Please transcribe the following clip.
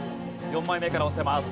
４枚目から押せます。